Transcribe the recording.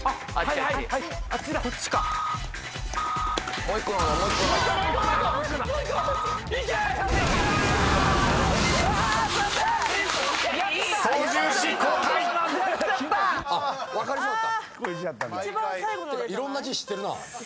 ていうかいろんな字知ってるな。